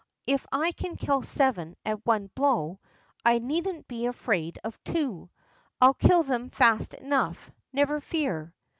If I can kill seven at one blow, I needn't be afraid of two. I'll kill them fast enough, never fear."